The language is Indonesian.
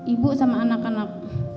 ibu sama anak anak